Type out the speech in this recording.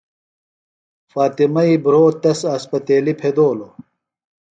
فاطمئی بھرو تس اسپتیلیۡ پھدولوۡ۔